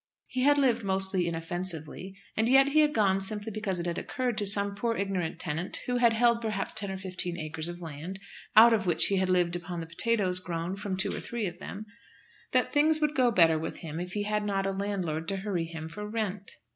He had lived most inoffensively, and yet he had gone simply because it had occurred to some poor ignorant tenant, who had held perhaps ten or fifteen acres of land, out of which he had lived upon the potatoes grown from two or three of them, that things would go better with him if he had not a landlord to hurry him for rent!